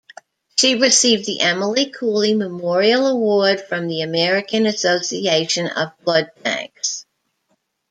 She received the Emily Cooley Memorial Award from the American Association of Blood Banks.